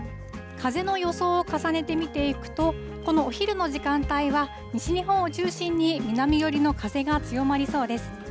風の予想を重ねてみていくと、このお昼の時間帯は、西日本を中心に南寄りの風が強まりそうです。